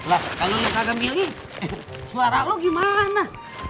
lah kalau lu kagak milih suara lu gimana